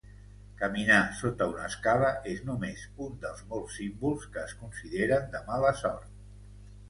Caminar sota una escala es només un dels molts símbols que es consideren de mala sort.